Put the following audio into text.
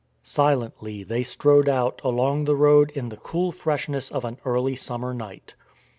Silently they strode out along the road in the cool freshness of an early summer night.